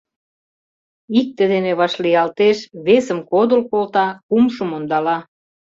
Икте дене вашлиялтеш, весым кодыл колта, кумшым ондала...